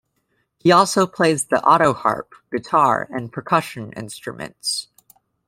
He also plays the autoharp, guitar, and percussion instruments.